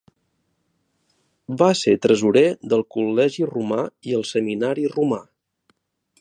Va ser tresorer del Col·legi Romà i el Seminari Romà.